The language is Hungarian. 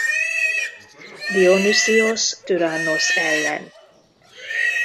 Dionüsziosz türannosz ellen.